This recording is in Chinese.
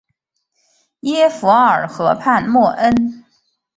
耶弗尔河畔默恩。